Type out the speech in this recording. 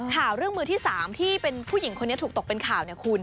ค่ะเรื่องมือที่๓ที่ผู้หญิงคนนี้ถูกตกเป็นข่าว